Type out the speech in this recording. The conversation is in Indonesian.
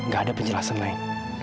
gak ada penjelasan lain